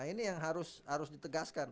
ini yang harus ditegaskan